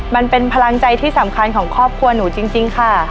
มันเป็นพลังใจที่สำคัญของครอบครัวหนูจริงค่ะ